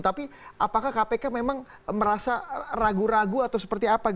tapi apakah kpk memang merasa ragu ragu atau seperti apa